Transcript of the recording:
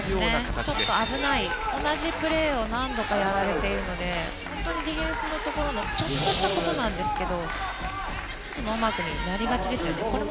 ちょっと危ない同じプレーを何度かやられているのでディフェンスのちょっとしたことなんですけどノーマークになりがちですね。